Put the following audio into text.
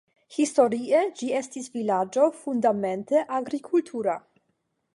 Historie ĝi estis vilaĝo fundamente agrikultura.